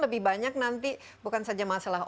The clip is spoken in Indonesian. lebih banyak nanti bukan saja masalah